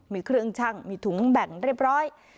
มีเครื่องชั่งมีถุงแบ่งเรียบร้อย